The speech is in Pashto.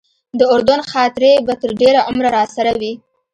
د اردن خاطرې به تر ډېره عمره راسره وي.